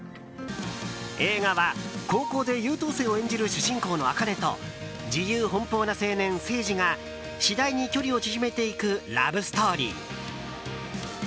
映画は、高校で優等生を演じる主人公の茜と自由の奔放な青年・青磁が次第に距離を縮めていくラブストーリー。